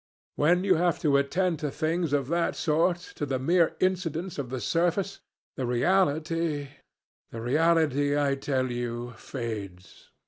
When you have to attend to things of that sort, to the mere incidents of the surface, the reality the reality, I tell you fades.